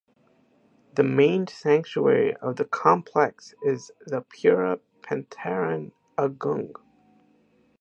The main sanctuary of the complex is the Pura Penataran Agung.